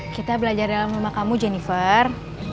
kita belajar dalam rumah kamu jennifer